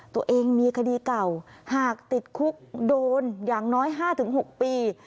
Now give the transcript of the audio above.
ตัวเองมีคดีเก่าหากติดคุกโดนอย่างน้อย๕๖ปี